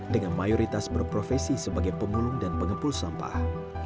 dengan mayoritas berprofesi sebagai pemulung dan pengepul sampah